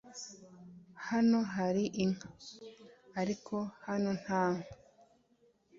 hano hari inka? ariko hano nta nka